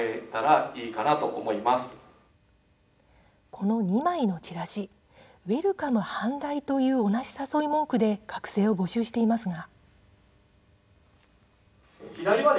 この２枚のちらしウェルカム阪大という同じ誘い文句で学生を募集していますが。